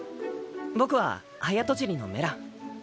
僕は早とちりのメラン。